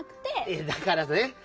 だからね